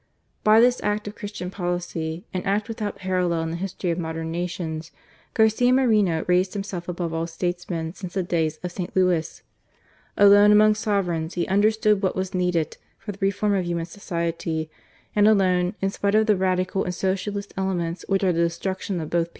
By this act of Christian policy, an act without parallel in the history of modern nations, Garcia Moreno raised himself above all statesmen since the days of St. Louis. Alone among sovereigns he understood what was needed for the reform of human society, and alone, in spite of the radical and socialist elements which are the destruction of both THE REGENERATION OF THE CLERGY.